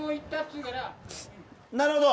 なるほど。